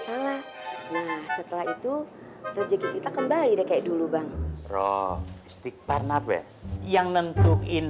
salah nah setelah itu rezeki kita kembali deh kayak dulu bang roh stick partner yang nentukin